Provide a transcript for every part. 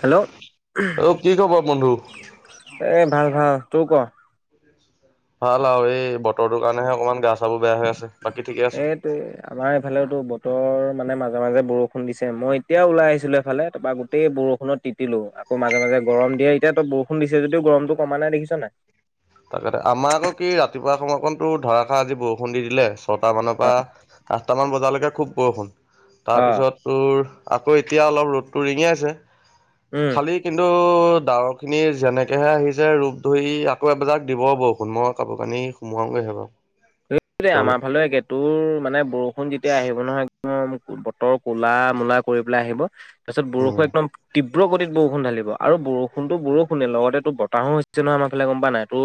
Hello. অ কি খবৰ বন্ধু এ ভাল, ভাল তোৰ ক'। ভাল আৰু এই বতৰটোৰ কাৰণেহে অকণমান গা চাবোৰ বেয়া হৈ আছে, বাকী ঠিকে আছোঁ। উম, আপ আমাৰ এইফালেওটো বতৰ মানে মাজে মাজে বৰষুণ দিছে মই এতিয়া ওলাই আহিছিলোঁ এফালে তাৰপৰা গোটেই বৰষুণত তি তিলো আকৌ মাজে মাজে গৰম দিয় এতিয়াটো বৰষুণ দিছে যদিও গৰমটো কমা নাই দেখিছ নাই। তাকেটো আমাৰ আকৌ কি ৰাতিপুৱা সময়কণটো ধৰাষাৰ আজি বৰষুণ দি দিলে, ছটা মানৰ পৰা আঠটামান বজালৈকে খুব বৰষুণ অ তাৰপিছত তোৰ আকৌ এতিয়া অলপ ৰ'দটো ৰিঙি আছে, উম খালী কিন্তু ডাৱৰখিনি যেনেকেহে আহিছে ৰূপ ধৰি আকৌ এবলাক দিব বৰষুণ মই কাপোৰ কানি সোমাওগৈহে বাৰু। [unintelligible] ভিতৰলে আমাৰ ফালে একে তোৰ মানে বৰষুণ যেতিয়া আহিব নহয়। [unintelligible] বতৰৰ ক'লা মূলা কৰি পেলাই আহিব তাৰপিছত উম বৰষুণ একদম তীব্ৰ গতিত বৰষুণ ঢালিব আৰু বৰষুণটো বৰষুণে লগতেটো বতাহো হৈছে নহয় আমাৰ ফালে গম পা নাই তো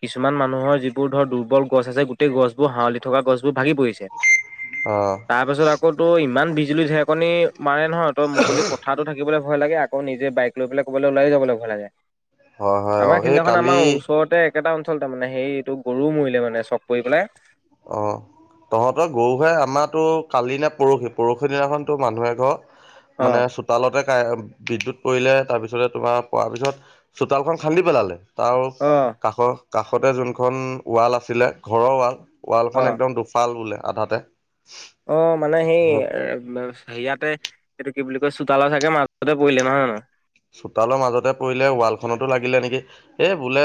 কিছুমান মানুহৰ যিবোৰ ধৰ দুৰ্বল গছ আছে, গোটেই গছ বোৰ হাৱলি থকা গছবোৰ ভাগি পৰিছে অ তাৰ পাছত আকৌ তোৰ ইমান বিজুলী, ঢেৰেকনি মানে নহয় তই মুকলি পথাৰতো থাকিবলৈ ভয় লাগে আকৌ নিজে বাইক লৈ পেলাই ক'বলৈ ওলাই যাবলৈ ভয় লাগে। হয় হয় অ আমাৰ এই সিদিনাখন কালি আমাৰ ওচৰতে একেটা অঞ্চলতে মানে সেই এইটো গৰুও মৰিলে মানে চৰক পৰি পেলাই। অ', তহঁতৰ গৰুহে আমাৰটো কালি নে পৰহি, পৰহি দিনাখনটো মানুহ এঘৰ মানে অ', চো চোতালতে [unintelligible] বিদ্যুৎ পৰিলে তাৰপিছতে তোমাৰ পৰা পিছত চোতালখন খান্দি পেলালে। তাৰ অ', কাষৰ, কাষতে যোনখন ৱাল আছিলে, ঘৰৰ ৱাল। ৱালখন অ', একদম দুফাল বোলে আধাতে। অ', মানে সেই [unintelligible] ইয়াতে এইটো কি বুলি কয় চোতালৰ চাগে মাজতে পৰিলে নহয়, নহয়। চোতালৰ মাজতে পৰিলে ৱালখনতো লাগিলে নেকি এই বোলে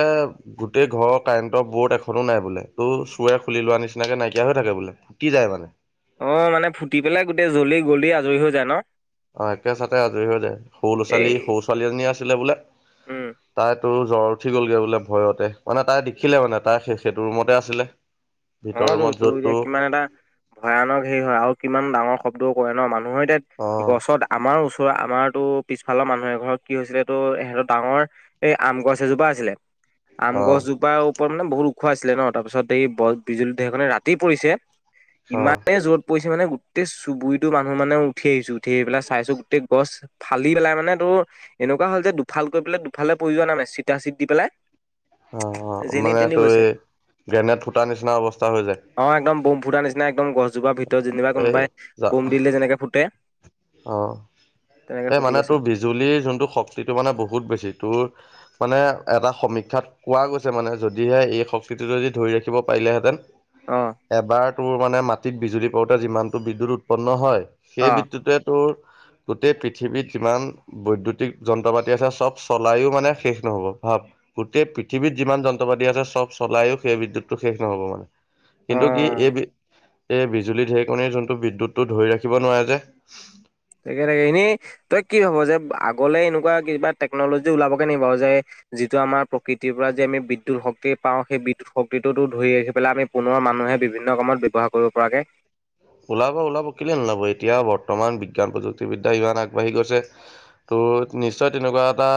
গোটেই ঘৰৰ কাৰেণ্টৰ বৰ্ড এখনো নাই বোলে তো চোৰে খুলি লোৱা নিচিনাকে নাইকিয়া হৈ থাকে বোলে। কি যায় মানে। অ মানে ফুটি পেলাই গোটেই জ্বলি গলি আজৰি হৈ যায় ন। অ একে চাতে আজৰি হৈ যায় সৰু ল'ৰা এই ছোৱালী সৰু ছোৱালীজনী আছিলে বোলে। উম। তাই তোৰ জ্বৰ উঠি গ'লগৈ বোলে ভয়তে মানে তাই দেখিলে মানে তাই সেইটো ৰুমতে আছিলে। ভিতৰ অ ৰ ৰুমত টো য'ত এতিয়া তোৰ কিমান এটা। ভয়ানক হেৰি হয় আৰু কিমান ডাঙৰ শব্দও কৰে ন মানুহৰ এতিয়া অ' গছৰ দা। আমাৰ ওচৰৰ আমাৰতো পিছফালৰ মানুহে ঘৰত কি হৈছিলেটো হেহঁতৰ ডাঙৰ। এই আম গছ এজোপা আছিলে। আম অ' গছজোপাৰ ওপৰত মানে বহুত ওখোৱা আছিলে ন তাৰপিছত এই বিজুলী ধেৰেকণি ৰাতি পৰিছে। অ' ইমানে জত। প পৰিছে মানে গোটেই চুবুৰিতো মানুহ মানে উঠি আহিছো উঠি আহিলাই চাইছো গোটেই গছ। ফালি পেলাই মানে তুৰ। এনেকুৱা হ'ল যে দুফাল কৰি পেলাই দুফালে প্ৰয়োজন নমে চিতা চিট দি পেলাই। অ অ যেনি মানে তেনি ত গৈছে। গ্ৰেনেড ফুটাৰ নিচিনা অৱস্থা হৈ যায়। অ একদম বম ফুট নিচিনা একদম গছ। জোপাৰ ভিতৰত যেনিবা এই কোনোবাই বোম দিলে যেনেকে ফুটে। অঁ। তেনেকে ফুটি গৈছে। জুলিৰ যোনটো শক্তিটো মানে বহুত বেছি তোৰ মানে এটা সমীক্ষাত। কোৱা গৈছে মানে যদিহে এই সংস্কৃতিটো যদি ধৰি ৰাখিব পাৰিলেহেঁতেন। অ। এবাৰ তোৰ মানে মাটিত বিজুলী পাওঁতে যিমানটো বিদ্যুৎ উৎপন্ন হয় অ সেই বিদ্যুতে। টোৰ গোটেই পৃথিৱীত যিমান। বৈদ্যুতিক যন্ত্ৰ পাতি আছে চব চলায়ও মানে শেষ নহব ভাব। গোটেই পৃথিৱীত যিমান যন্ত্ৰ পাতি আছে চব চলায়ো সেই বিদ্যুতটো শেষ নহব মানে। কিন্তু কি এই বি। এই বিজুলী ঢেৰেকণিৰ যোনটো বিদ্যুতটো ধৰি ৰাখিব নোৱাৰে যে। তাকে তাকে এনেই তই কি ভাব যে আগলে এনেকুৱা কিবা টেকনলজি ওলাব কে নি বাৰু যে। যিটো আমাৰ প্ৰকৃতিৰ পৰা যে আমি বিদ্যুত শক্তি পাওঁ সেই বিদ্যুত শক্তিটোতো ধৰি ৰাখি পেলাই আমি। পুনৰ মানুহে বিভিন্ন কামত ব্যৱহাৰ কৰিব পৰাকে। ওলাব ওলাব কেলৈ নোলাব এতিয়াও বৰ্তমান বিজ্ঞান প্ৰযুক্তিবিদ্যা ইমান আগবাঢ়ি গৈছে। টো নিশ্চয় তেনেকুৱা এটা।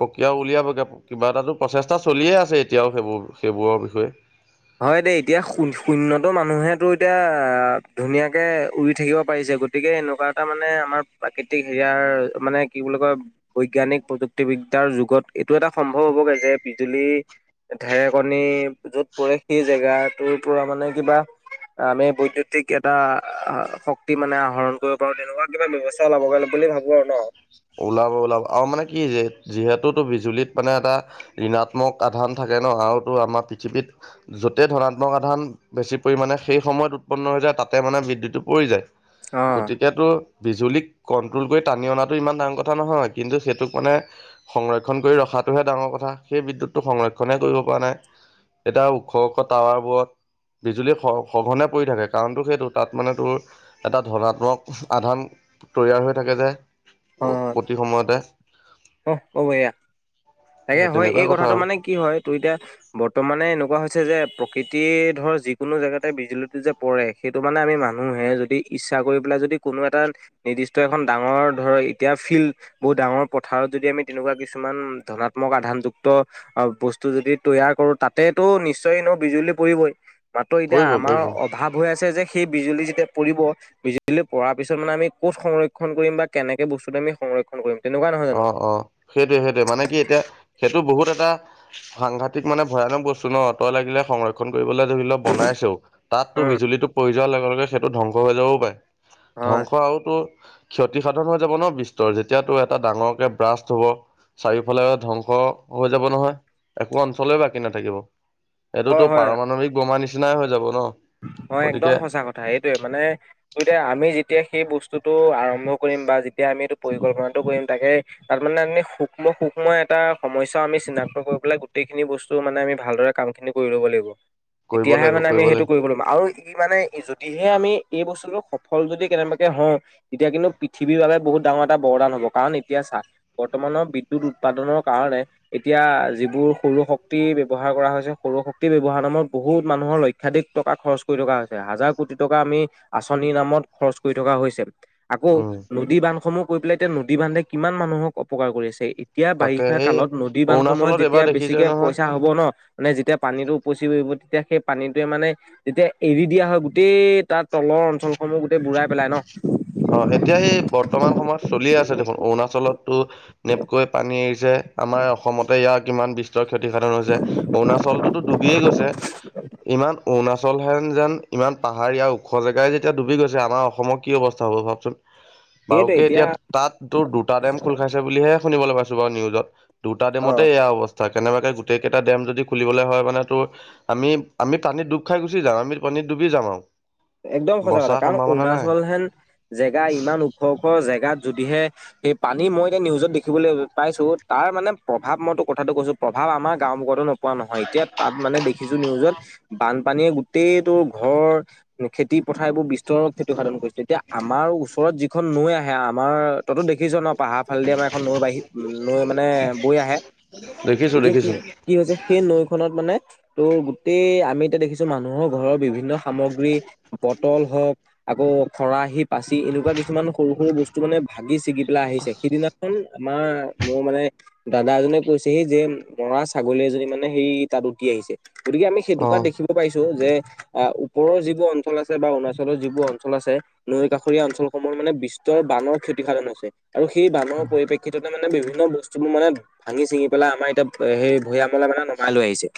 প্ৰক্ৰিয়াও উলিয়াবগৈ কিবা এটাতো প্ৰচেষ্টা চলিয়ে আছে এতিয়াও সেইবোৰ সেইবোৰৰ বিষয়ে। হয় দেই এতিয়া শ শূন্যত মানুহেতো এতিয়া ধুনীয়াকে উৰি থাকিব পাৰিছে গ। তিকে এনেকুৱা এটা মানে আমাৰ প্ৰাকৃতিক হেৰিয়াৰ মানে কি বুলি কয়। বৈজ্ঞানিক প্ৰযুক্তিবিদ্যাৰ যুগত এইটো এটা সম্ভৱ হ'বগে যে বিজুলী। ঢেৰেকণী যত পৰে সেই জেগাটোৰ পৰা মানে কিবা। আমি বৈদ্যুতিক এটা শক্তি মানে আহৰণ কৰিব পাৰো তেনেকুৱা কিবা ব্যৱ। তা উলাব বুলি ভাবো আৰু ন। ওলাব ওলাব আৰু মানে কি যে যিহেতু বিজুলীত মানে এটা। ঋণাত্মক আধান থাকে ন আৰুতো আমাৰ পৃথিৱীত। যতে ধনাত্মক সাধান বেছি পৰিমাণে সেই সময়ত উৎপন্ন হৈ যায় তাতে মানে বিদ্যুৎটো পৰি যায়। অ', গতিকেতটো বিজুলীক কন্ট্ৰল কৰি টানি অনাত। টো ইমান ডাঙৰ কথা নহয় কিন্তু সেইটোক মানে। সংৰক্ষণ কৰি ৰখাটোহে ডাঙৰ কথা সেই বিদ্যুৎটো সংৰক্ষণহে কৰিব পৰা নাই। এতিয়া ওখ ওখ টাৱাৰ বোৰত বিজুলী স সঘনে পৰি থাকে কাৰণটো সেইটো তাত মানে তোৰ এটা ধনাত্মক আধান তৈয়াৰ হৈ থাকে যে অ', প্ৰতি সময়তে অ', হ'ব এয়া। তাকে এ হয় তেনেকুৱা এই কথা কথাটো আৰু মানে কি হয় তোৰ এতিয়া বৰ্তমানে এনেকুৱা হৈছে যে প্ৰকৃতি ধৰ যিকোনো জেগাতে বিজুলীতো যে পৰে সেইটো মানে আমি মানুহে যদি ইচ্ছা কৰি পেলাই যদি কোনো এটা নিৰ্দিষ্ট এখন ডাঙৰ ধৰ এতিয়া ফিল্ড বহুত ডাঙৰ পথাৰত যদি আমি তেনেকুৱা কিছুমান ধৰাত ধনাত্মক আধানযুক্ত আৰু বস্তু যদি তৈয়াৰ কৰো তাতেটো নিশ্চয় এনও বিজুলী পৰিবই। মাত্ৰ এতিয়া পৰিব আমাৰ পৰিব অভাৱ হৈ আছে যে সেই বিজুলী যেতিয়া পৰিব বিজুলী পঢ়াৰ পিছত মানে আমি ক'ত সংৰক্ষণ কৰিম বা কেনেকে বস্তু আমি সংৰক্ষণ কৰিম? তেনেকুৱা নহয় জানো? অ', অ', সেইটোয়ে সেইটোৱে মানে কি এতিয়া এইটো বহুত এটা সাংঘাতিক মানে ভয়ানক বস্তু ন' তই লাগিলে সংৰক্ষণ ক্ষণ কৰিবলৈ ধৰি ল' বনাইছেও তাততো উম বিজুলীটো পৰি যোৱাৰ লগে লগে সেইটো ধ্বংস হৈ যাবও পৰে। হয়। ধ্বংস আৰুতো ক্ষতিসাধন হৈ যাব ন' বিস্তৰ যেতিয়াতো এটা এটা ডাঙৰকে ব্ৰাষ্ট হ'ব চাৰিওফালে ধ্বংস হৈ যাব নহয় একো অঞ্চলে বাকী নাথাকিব এইটোতো হয় হয় পাৰমাণৱিক বোমা নিচিনাই হৈ যাব ন'? হয় একদম গতিকে সঁচা কথা এইটোয়ে মানে টু এতিয়া আমি যেতিয়া সেই বস্তুটো আৰম্ভ আৰম্ভ কৰিম বা যেতিয়া আমি এইটো পৰিকল্পনাটো কৰিম তাকে তাত মানে আমি সূক্ষ্ম সূক্ষ্ম এটা সমস্যা আমি চিনাক্ত কৰিব পেলাই গোটেইখিনি বস্তু মানে আমি ভালদৰে কাম খিনি কৰি ল'ব লাগিব কৰিব তেতিয়াহে লাগিব মানে আমি কৰিব সেইটো লাগিব [unintelligible] আৰু ইমানে যদিহে আমি এই বস্তুটো সফল যদি কেনেবাকে হৈ তেতিয়া কিন্তু পৃথিৱীৰ বাবে বহুত ডাঙৰ এটা বৰদান হ'ব কাৰণ এতিয়া ছা বৰ্তমানৰ বিদুৎ উৎপাদনৰ কাৰণে এতিয়া যিবোৰ সৰু শক্তি ব্যৱহাৰ কৰা হৈছে সৰু শক্তি ব্যৱহাৰ নামত বহুত মানুহৰ লক্ষাধিক টকা খৰচ কৰি থকা হৈছে হাজাৰ কোটি টকা আমি আঁচনিৰ নামত খৰচ কৰি থকা হৈছে আকৌ উম নদী বান্ধসমূহ কৈ পেলাই এতিয়া নদী বান্ধে কিমান মানুহক অপকাৰ কৰি আছে এতিয়া তাকে বাৰিষা এই কালত নদী বানসমূহত অৰুণাচলত এইবাৰ যেতিয়া দেখিছই বেছিকে নহয় পইচা হ'ব হ'ব ন' মানে যেতিয়া পানীটো উপচি পৰিব তেতিয়া সেই পানীটোৱে মানে তেতিয়া এৰি দিয়া হয় গোটেই তাৰ তলৰ অঞ্চলসমূহ গোটেই বুঢ়াই পেলাই ন' অ', এতিয়া এই বৰ্তমান সময়ত চলিয়ে আছে দেখোন অৰুণাচলততো নেপকৈ পানী এৰিছে। আমাৰ অসমতে ইয়াৰ কিমান বিস্তৰ ক্ষতিসাধন হৈছে অৰুণাচলটোতো ডুবিয়েই গৈছে। ইমান অৰুণাচল হেন যেন ইমান পাহাৰীয়া ওখ জেগাই যেতিয়া ডুবি গৈছে আমাৰ অসমৰ কি অৱ [unintelligible] হ'ব ভাবচোন বাৰুকে এতিয়া তাত তোৰ দুটা ডেম খোল খাইছে বুলিহে শুনিবলৈ পাইছো বাৰু নিউজত দুটা অ ডেমতে এয়া অৱ [unintelligible] কেনেবাকে গোটেইকেইটা ডেম যদি খুলিবলৈ হয় মানে তোৰ আমি আমি পানীত ডুব খাই গুচি যাম আমি পানীত ডুবি যাম আৰু। একদম সছাঁ কথা বচাৰ কাৰণ সম্ভাৱনা নাই অৰুণাচল হেন জেগা ইমান ওখ ওখ জেগাত যদিহে সেই পানী মই এতিয়া নিউজত দেখিবলৈ পাইছোঁ তাৰ মানে প্ৰভাৱ মইতো কথাটো কৈছোঁ প্ৰভাৱ আমাৰ গাঁও মুখতো ন পোৱা নহয় এতিয়া তাত মানে দেখিছোঁ নিউজত বানপানীয়ে গোটেইটোৰ ঘৰ খেতি পথাৰ এইবোৰ বিস্তৰৰ খ্যতিসাধন কৰিছে এতিয়া আমাৰ ওচৰত যিখন নৈ আহে আমাৰ তইতো দেখিছ ন পাহাৰ ফালেদি আমাৰ এখন নৈ বাহী নৈ মানে বৈ আহে দেখিছোঁ এতিয়া কি দেখিছোঁ। কি হৈছে সেই নৈখনত মানে ত' গোটেই আমি এতিয়া দেখিছো মানুহৰ ঘৰৰ বিভিন্ন সামগ্ৰী বটল হওক আকৌ খৰাহি, পাচি এনেকুৱা কিছুমান সৰু সৰু বস্তু মানে ভাগি ছিগি পেলাই আহিছে সিদিনাখন আমাৰ মোৰ মানে দাদা এজনে কৈছে সেই যে মৰা ছাগলী এজনী মানে সেই তাত উঠি আহিছে গতিকে আমি অ সেইটোপা দেখিব পাইছো যে ওপৰৰ যিবোৰ অঞ্চল আছে বা অৰুণাচলৰ যিবোৰ অঞ্চল আছে নৈ কাষৰীয়া অঞ্চলসমূহৰ মানে বিস্তৰ বানৰ ক্ষতিসাধন হৈছে আৰু সেই বানৰ অ পৰিপ্ৰেক্ষিততে মানে বিভিন্ন বস্তুবোৰ মানে ভাঙি চিঙি পেলাই আমাৰ এতিয়া সেই ভৈয়ামলে মানে নমাই লৈ আহিছে।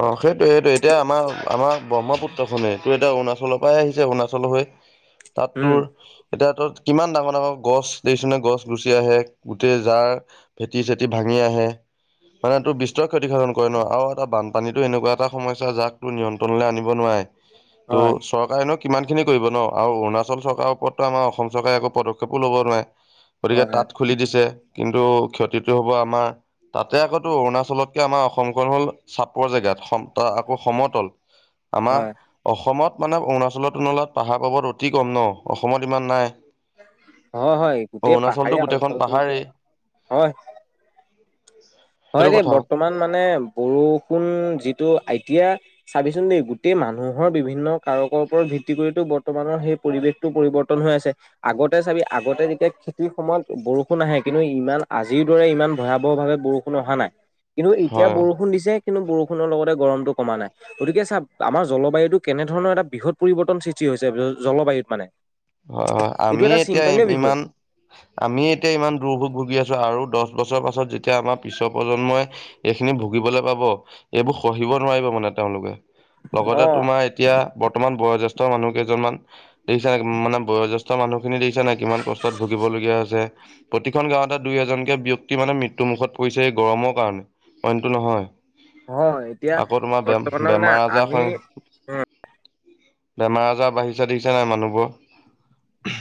অ সেইটোয়ে সেইটোয়ে এতিয়া আমাৰ আমাৰ ব্ৰহ্মপুত্ৰখনেই তোৰ এতিয়া অৰুণাচলৰপাহে আহিছে অৰুণাচল হৈ তাত উম। তোৰ এতিয়া তাত কিমান ডাঙৰ ডাঙৰ গছ দেখিছনে গছ গুচি আহে গোটেই যাৰ ভেটি চেটি ভাঙি আহে মানে তোৰ বিস্তৰে ক্ষতিসাধন কৰে ন আৰু এটা বান পানীতো এনেকুৱা এটা সমস্যা যাক তোৰ নিয়ন্ত্ৰলে আনিব নোৱাৰে ত' হয় চৰকাৰেনো কিমান খিনি কৰিব ন আৰু অৰুণাচল চৰকাৰৰ ওপৰতটো আমাৰ অসম চৰকাৰে একো পদক্ষেপো ল'ব নোৱাৰে গতিকে হয় হয় তাত খুলি দিছে। কিন্তু ক্ষতিটো হ'ব আমাৰ তাতে আকৌ তোৰ অৰুণাচলতকে আমাৰ অসমখন হ'ল চাপ -পৰ জেগাত সম তাৰ আকৌ সমতল আমাৰ হয়। অসমত মানে অৰুণাচলৰ তুলনাত পাহাৰ পৰ্বত অতি কম ন অসমত ইমান নাই। হয় হয় গোটেই অৰুণাচলতো পাহাৰীয়া গোটেইখন অঞ্চল কিন্তু, পাহাৰেই হয়। [inaudible] হয় দেই বৰ্তমান মানে [inaudible] বৰষুণ যিটো আইতিয়া চাবিচোন দেই গোটেই মানুহৰ বিভিন্ন কাৰকৰ ওপৰত ভিত্তি কৰিতো বৰ্তমানৰ সেই পৰিৱেশ -টো পৰিৱৰ্তন হৈ আছে। আগতে চাবি আগতে যেতিয়া খেতিৰ সময়ত বৰষুণ আহে কিন্তু ইমান আজিৰ দৰে ইমান ভয়াৱহ ভাৱে বৰষুণ -ষোণ অহা নাই কিন্তু এতিয়া হয় বৰষুণ দিছে কিন্তু বৰষুণৰ লগতে গৰমটো কমা নাই। গতিকে চা আমাৰ জলবায়ুতো কেনেধৰণৰ এটা বৃহৎ পৰিৱৰ্তন সৃষ্টি হৈছে জলবায়ুত মানে হয় হয় এইটো আমি এটা এতিয়া চিন্তনীয় বিষয়। ইমান। আমি এতিয়া ইমান দুূৰ্ভোগ ভুগি আছো আৰু দহ বছৰৰ পাছত যেতিয়া আমাৰ পিছৰ প্ৰজন্মই এইখিনি ভুগিবলৈ পাব এইবোৰ শহিব নোৱাৰিব মানে তেওঁলোকে অ লগতে তোমাৰ এতিয়া বৰ্তমান বয়োজ্যেষ্ঠ মানুহ কেইজনমান দেখিছা মানে বয়োজ্যেষ্ঠ কিছূমান মানুহখিনি দেখিছা নাই কিমান কষ্টত ভুগিবলগীয়া হৈছে প্ৰতিখন গাঁৱতে দুই এজনকে ব্যক্তি মানে মৃত্যুমুখত পৰিছে এই গৰমৰ কাৰণে অইনটো নহয়। হয় এতিয়া আকৌ তোমাৰ বে বৰ্তমানে মানে বেমাৰ আজাৰ স আমি বেমাৰ আজাৰ বাঢ়িছে দেখিছা নাই মানুহবোৰৰ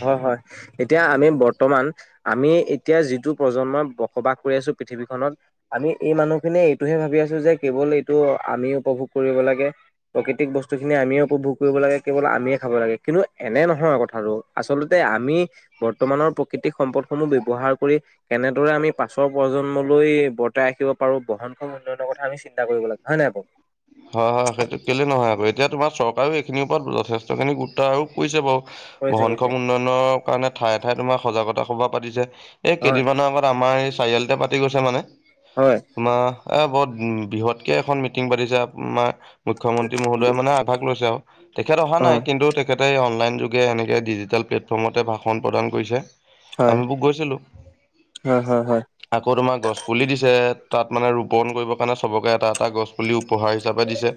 হয় হয়। এতিয়া আমি বৰ্তমান আমি এতিয়া যিটো প্ৰজন্মই বসবাস কৰি আছো পৃথিৱীখনত আমি এই মানুহখিনিয়ে এইটোহে ভাবি আছো যে কেৱল এইটো আমি উপভোগ কৰিব লাগে। প্ৰকৃতিক বস্তুখিনি আমিয়ে উপভোগ কৰিব লাগে কেৱল আমিয়ে খাব লাগে কিন্তু এনে নহয় কথাটো আচলতে আমি বৰ্তমানৰ প্ৰকৃতিক সম্পদসমূহ ব্যৱহাৰ কৰি কেনেদৰে আমি পাছৰ প্ৰজন্মলৈ বৰ্তাই ৰাখিব পাৰো বহনক্ষম উন্নয়নৰ কথা আমি চিন্তা কৰিব লাগে হয় নে বাৰু? হয় হয় সেইটো কেলে নহয় আকৌ এতিয়া তোমাৰ চকাৰেও এইখিনিৰ ওপৰত যথেষ্টখিনি গুৰুত্ব আৰু কৰিৈছে বাৰু কৰিছে বহন কৰিছে খম উন্নয়নৰ কাৰণে ঠায়ে ঠায়ে তোমাৰ সজাগতা সভা পাতিছে। এই হয় কেইদিনমানৰ আগত আমাৰ এই চাৰিআলিতে পাতি গৈছে মানে। হয় পোনা এ বহুত বৃহৎ কে এখন মিটিং পাতিছে আপোনা। মুখ্যমন্ত্ৰী মহোদয়ে মানে আগভাগ লৈছে আৰু তেখেত অহা অ নাই কিন্তু তে। খেতে অনলাইন যোগে এনেকে ডিজিটেল প্লেটফৰ্মতে ভাষণ প্ৰদান কৰিছে। হয় আমিবোৰ গৈছিলো। হয় হয় হয় আকৌ তোমাৰ গছ পুলি দিছে তাত মানে ৰোপন কৰিব কাৰণে চবকে এটা এটা গছ পুলি ও। পঢ়াৰ হিচাপে দিছে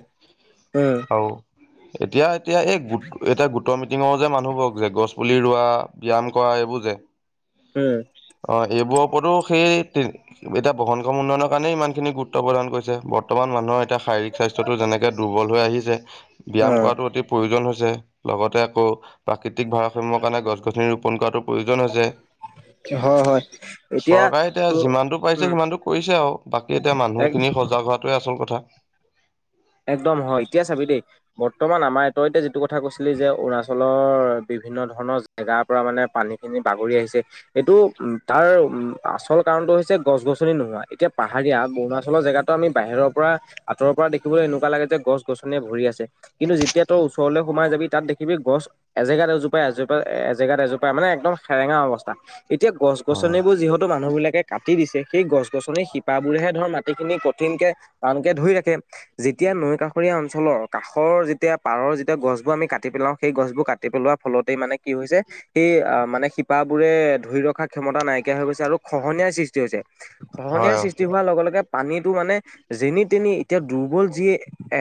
উম আও। এতিয়া এতিয়া এই গোট এতিয়া গোটৰ মিটিঙৰ যে মানুহবোৰক যে গছপুলি ৰোৱা। ব্যায়াম কৰা এইবোৰ যে। উম। অঁ এইবোৰৰ ওপৰতো সেই তি। এতিয়া বসন ক উন্নয়নৰ কাৰণে ইমান খিনি গুৰুত্ব প্ৰদান কৰিছে বৰ্তমান মানুহৰ। শাৰীৰিক স্বাস্থ্যটো যেনেকে দুৰ্বল হৈ আহিছে ব্যায়াম উম কৰাটো অতি। প্ৰয়োজন হৈছে লগতে আকৌ প্ৰাকৃতিক ভাৰসাম্যৰ কাৰণে গছ গছনি ৰোপন কৰাটো। প্ৰয়োজন হৈছে। হ হয়। এতিয়া চৰকাৰে ত এতিয়া যিমানটো পাৰিছে উম সিমানতটো কৰিছে আৰু বাকী এতিয়া এক মানুহখিনি সজাগ হোৱাটোৱে আচল কথা। [inaudible] একদম হয় এতিয়া চাবি দেই। বৰ্তমান আমাৰ এট এতে যিটো কথা কৈছিলি যে অৰুণাচলৰ বিভিন্ন ধৰণৰ। জাৰ পৰা মানে পানীখিনি বাগৰি আহিছে। এইটো উম তাৰ উম আচল কাৰণতটো হৈছে গছ গছনি নোহোৱা এতিয়া পাহাৰীয়া অৰুণাচলৰ জেগাত। আমি বাহিৰৰ পৰা আঁতৰ পৰা দেখিবলৈ এনেকুৱা লাগে যে গছ গছনিয় ভৰি আছে কিন্তু যেতিয়া তো ওচ। তেৰলৈ সোমাই যাবি তাত দেখিবি গছ। এজেগাত এজোপাই এজোপাই এজেগাত এজোপাই মানে একদম সেৰেঙা অৱস্থা। এতিয়া গছ হয় গছনিবোৰ যিহেতু মানুহবলাকে। কাটি দিছে সেই গছ গছনিিৰ শিপাবোৰেহে ধৰ মাটিখিনি কঠিনকে টানকে ধৰি ৰাখে। যেতিয়া নৈ কাষৰীয়া অঞ্চলৰ কাষৰ যেতিয়া পাৰৰ যেতিয়া গছবোৰ আমি কাটি পেলাওঁ সেই গছবোৰ কাটি পেলোৱা। ফলতেই মানে কি হৈছে। সেই আহ মানে শিপাবোৰে ধৰি ৰখা ক্ষমতা নাইকিয়া হৈ গৈছে আৰু খহনীয় সৃষ্টি হৈছে। খহনীয়াৰ হয়। সৃষ্টি হোৱাৰ লগে লগে পানীতটো মানে যেনি তেনি এতিয়া দুৰ্বল। যি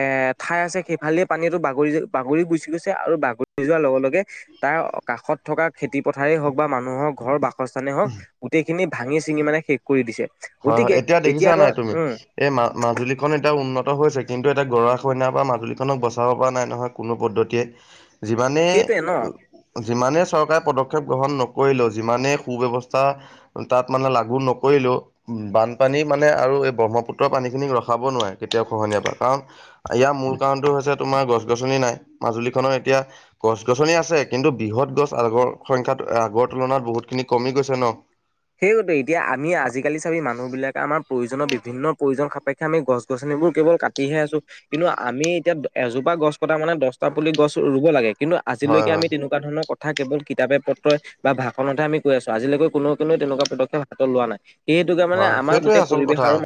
এ, ঠাই আছে সেইফালে পানীতো বাগৰি বাগৰি গুচি গৈছে আৰু বাগৰি যোৱাৰ লগে লগে। তাৰ কাষত থকা খেতি পথাৰেই হওক বা মানুহৰ ঘৰ বা। কস্থানে হওক গোটেইখিনি ভাঙি চিঙি মানে শেষ কৰি দিছে। হয়, হয় গতিকে এতিয়া দেখিছা নাই তই তুমি। উম এই মা-মাজুলীখন এতিয়া উন্নত হৈছে। কিন্তু এটা গৰা সইনা পা মাজুলীখনক বচাব পৰা নাই নহয় কোনো পদ্ধতিয়ে। যিমানে সেইটোৱে ন [inaudible] যিমানে চৰকাৰে পদক্ষেপ গ্ৰহণ নকৰিলেও যিমানে সু ব্যৱস্থা তাত মানে লাগু নকৰিলেও। বানপানী মানে আৰু এই ব্ৰহ্মপুত্ৰৰ পানীখিনি ৰখাব নোৱাৰে কেতিয়াও খহনীয় পৰা কাৰণ। ইয়াৰ মূল কাৰণতো হৈছে তোমাৰ গছ গছনি নাই মাজুলীখনৰ এতিয়া। গছ গছনি আছে কিন্তু বৃহৎ গছ আগৰ সংস্যাত আগৰ তুলনাত বহুত খিনি কমি গৈছে ন'। সেয়োদে এতিয়া আমি আজিকালি চাবি মানুহ বিলাকে আমাৰ প্ৰয়োজনৰ বিভিন্ন প্ৰয়োজন সাপেক্ষে আমি গছ গছনিবোৰ কেৱল কাট। তিহে আছো কিন্তু আমি এতিয়া এজোপা গছ কটা মানে দচটা পুলি গছ ৰুব লাগে কিন্তু হয় আজিলৈকে হয় আমি তেনেকোৱা ধৰণৰ কথা কেৱল কিতাপে পত্ৰই বা ভাষণতে আমি কৈ আছো আজিলৈকে কোনো কোনোৱে তেনেকোৱা পদক্ষেপ হাতত লোৱা নাই। সেই হেতুকে মানে হয় আমাৰ সেইটোৱে গোটেই আচল পৰিৱেশ কথা আৰু